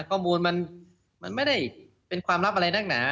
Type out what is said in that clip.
ข้อมูลมันไม่ได้เป็นความลับอะไรนักหนา